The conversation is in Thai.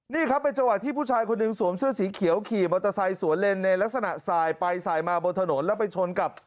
นี่ครับเป็นจังหวะที่ผู้ชายคนหนึ่งสวมเสื้อสีเขียวขี่มอเตอร์ไซค์สวนเล่นในลักษณะสายไปสายมาบนถนนแล้วไปชนกับ